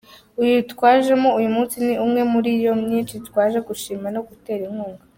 Uyu twajemo uyu munsi ni umwe muri iyo myinshi twaje gushima no gutera inkunga.